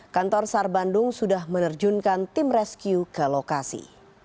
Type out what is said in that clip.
kantor sar bandung sudah menerjunkan tim rescue ke lokasi